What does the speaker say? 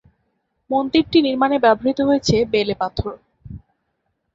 মন্দিরটি নির্মানে ব্যবহৃত হয়েছে বেলেপাথর।